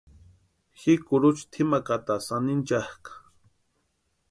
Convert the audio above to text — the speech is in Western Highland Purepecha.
Ji kurucha tʼimakatasï anhinchakʼa.